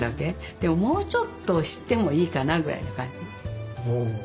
でももうちょっと知ってもいいかなぐらいな感じ。